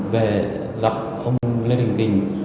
về gặp ông lê đình kình